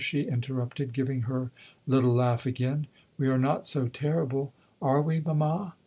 she interrupted, giving her little laugh again. "We are not so terrible, are we, mamma?